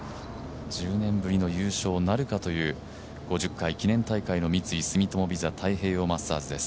１０年ぶりの優勝なるかという５０回記念大会の三井住友ＶＩＳＡ太平洋マスターズです。